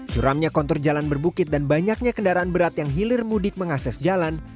curamnya kontur jalan berbukit dan banyaknya kendaraan berat yang hilir mudik mengakses jalan